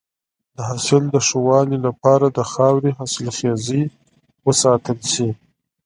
د حاصل د ښه والي لپاره د خاورې حاصلخیزی وساتل شي.